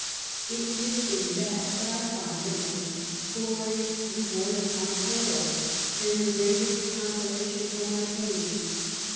It is in that that I find the most glorious reward of my toil, and the greatest con solation for my pains.